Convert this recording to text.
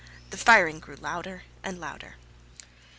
The firing grew louder and louder.